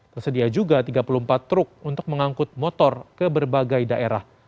tersedia juga tiga puluh empat truk untuk mengangkut motor ke berbagai daerah